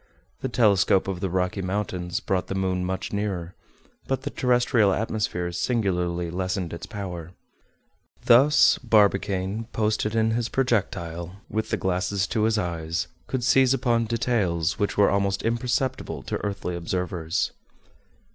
The telescope of the Rocky Mountains brought the moon much nearer; but the terrestrial atmosphere singularly lessened its power. Thus Barbicane, posted in his projectile, with the glasses to his eyes, could seize upon details which were almost imperceptible to earthly observers.